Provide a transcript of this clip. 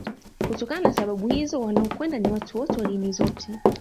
Kutokana na sababu hizo wanaokwenda ni watu wote wa dini zote